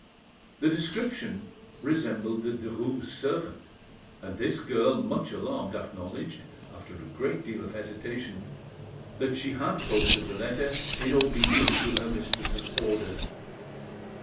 The description resembled the Derues' servant; and this girl, much alarmed, acknowledged, after a great deal of hesitation, that she had posted the letter in obedience to her mistress's orders.